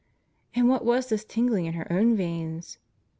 And what was this tingling in her own veins?